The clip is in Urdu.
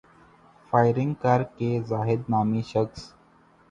فائرنگ کر کے زاہد نامی شخص